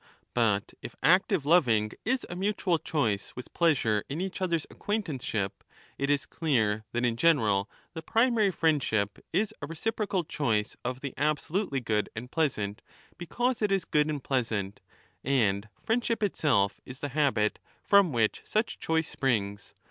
But if active loving is a mutual choice with pleasure in each other's acquaintanceship, it is clear that in general the primary friendship is a reciprocal choice of the absolutely good and pleasant because it is good and pleasant ; and friendship itself^ is the habit from which such choice springs.